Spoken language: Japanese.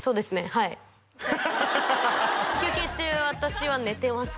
はい休憩中は私は寝てます